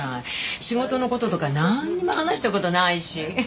仕事の事とかなんにも話した事ないし。